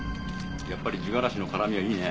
やっぱり地がらしの辛みはいいね。